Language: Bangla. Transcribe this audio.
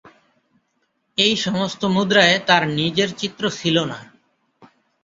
এই সমস্ত মুদ্রায় তার নিজের চিত্র ছিল না।